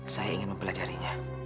saya ingin mempelajarinya